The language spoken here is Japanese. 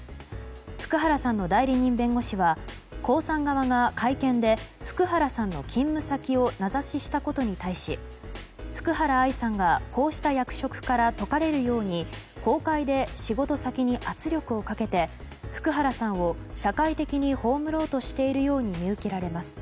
福原さんの代理人弁護士が江さん側が会見で福原さんの勤務先を名指ししたことに対し福原愛さんがこうした役職から解かれるように公開で仕事先に圧力をかけて福原さんを社会的に葬ろうとしているように見受けられます。